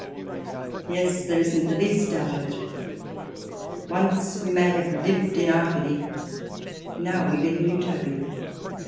Yes ; there isn't the least doubt of it. Once we may have lived in Arcady, now we live in Utopia.